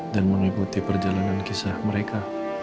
dan mengikuti perjalanan kisah mereka